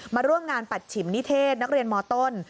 มาร่วมงานปัดฉิมนิเทศนักเรียนมต้น